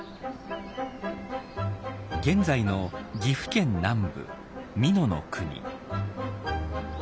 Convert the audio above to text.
現在の岐阜県南部美濃国。